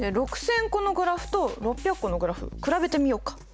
６０００個のグラフと６００個のグラフ比べてみようか？